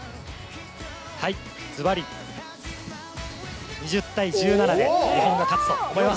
ずばり、２０対１７で日本が勝つと思います。